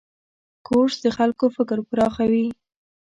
کورس د خلکو فکر پراخوي.